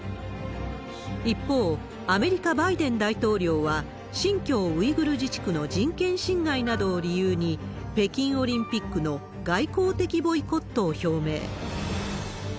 一方、アメリカ、バイデン大統領は新疆ウイグル自治区の人権侵害などを理由に、北京オリンピックの外交的ボイコットを表明。